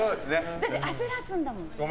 だって焦らせるんだもん。